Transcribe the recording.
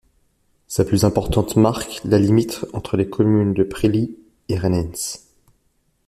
Sa plus importante marque la limite entre les communes de Prilly et Renens.